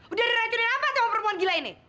udah akhirnya apa sama perempuan gila ini